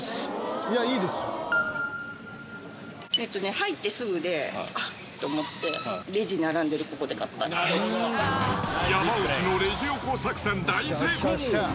入ってすぐで、あっ！と思って、山内のレジ横作戦、大成功。